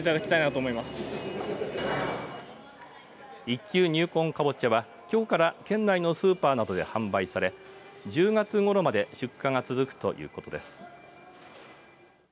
一球入魂かぼちゃは、きょうから県内のスーパーなどで販売され１０月ごろまで出荷が続くということです。